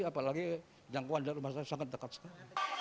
apalagi jangkauan dari rumah saya sangat dekat sekali